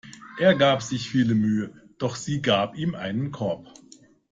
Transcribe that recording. Er gab sich viel Mühe, doch sie gab ihm einen Korb.